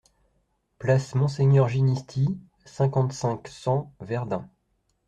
Place Monseigneur Ginisty, cinquante-cinq, cent Verdun